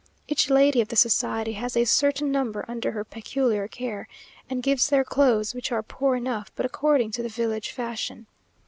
Each lady of the society has a certain number under her peculiar care, and gives their clothes, which are poor enough, but according to the village fashion.